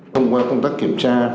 thông qua công tác kiểm tra